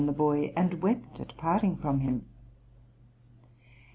} (109) the boy, and wept at parting from him.